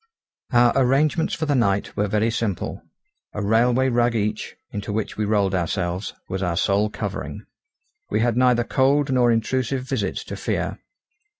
Our arrangements for the night were very simple; a railway rug each, into which we rolled ourselves, was our sole covering. We had neither cold nor intrusive visits to fear.